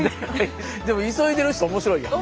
でも急いでる人面白いよな。